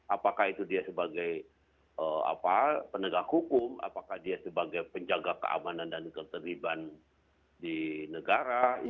apakah itu dia sebagai penegak hukum apakah dia sebagai penjaga keamanan dan ketertiban di negara